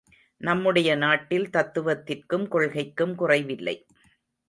நம்முடைய நாட்டில் தத்துவத்திற்கும் கொள்கைக்கும் குறைவில்லை.